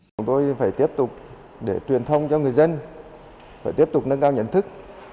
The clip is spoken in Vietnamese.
chúng tôi phải tiếp tục để truyền thông cho người dân phải tiếp tục nâng cao nhận thức